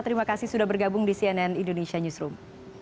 terima kasih sudah bergabung di cnn indonesia newsroom